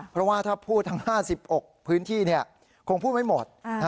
เพราะว่าถ้าพูดทั้ง๕๖พื้นที่คงพูดไม่หมด